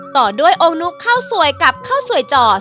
ต่อด้วยโอนุข้าวสวยกับข้าวสวยจ่อ